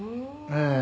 「ええ。